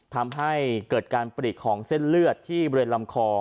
ทำให้เกิดการปลีกของเส้นเลือดที่บริเวณลำคอ